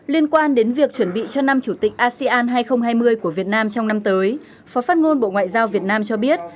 liên quan đến việc chuẩn bị cho năm chủ tịch asean hai nghìn hai mươi của việt nam trong năm tới phó phát ngôn bộ ngoại giao việt nam cho biết